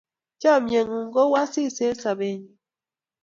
chamiet ng'un ko u asis eng' sabet nyun